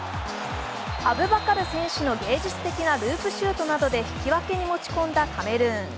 アブバカル選手の芸術的なループシュートなどで引き分けに持ち込んだカメルーン。